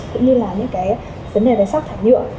cũng như là những cái vấn đề về sắc thả nhựa